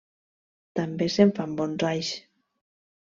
També se'n fan bonsais.